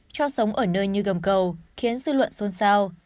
cho sống ở nơi như gầm cầu khiến dư luận xôn xao